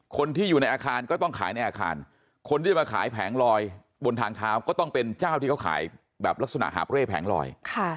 คนที่อยู่ในอาคารก็ต้องขายในอาคารคนที่จะมาขายแผงลอยบนทางเท้าก็ต้องเป็นเจ้าที่เขาขายแบบลักษณะหาบเร่แผงลอย